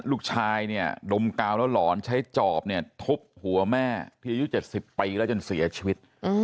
ลูกชายเนี่ยดมกาวแล้วหลอนใช้จอบเนี่ยทุบหัวแม่ที่อายุ๗๐ปีแล้วจนเสียชีวิต